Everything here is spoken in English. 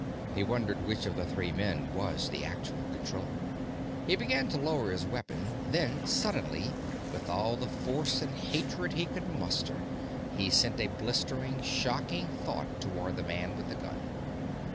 He wondered which of the three men was the actual Controller. He began to lower his weapon, then, suddenly, with all the force and hatred he could muster, he sent a blistering, shocking thought toward the man with the gun.